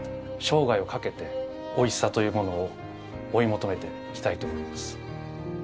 生涯をかけておいしさというものを追い求めていきたいと思います。